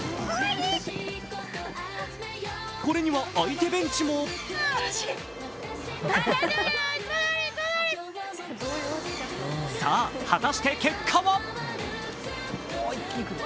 これには相手ベンチもさあ、果たして結果は。